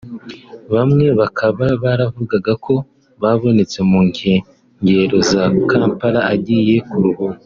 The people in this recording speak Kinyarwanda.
bamwe bakaba baravugaga ko yabonetse mu nkengero za Kampala agiye kuruhuka